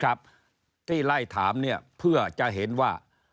ครับที่ไล่ถามเพื่อจะเห็นว่า